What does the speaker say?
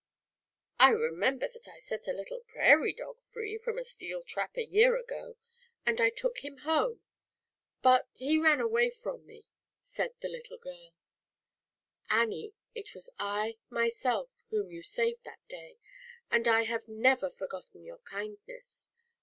" I remember that I set a little I HI irie Dog free from a steel trap a g: and I took him home. ZAUBERLINDA, THE WISE WITCH. But he ran away from me," said the little girl. J " Annie, it was I, myself, whom you saved that day, and I have never for gotten your kindness.